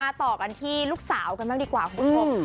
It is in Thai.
ต่อกันที่ลูกสาวกันบ้างดีกว่าคุณผู้ชม